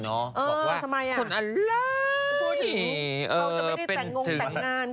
บอกว่าคนอะไรเขาจะไม่ได้แต่งงแต่งงาน